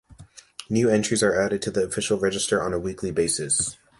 New entries are added to the official Register on a weekly basis.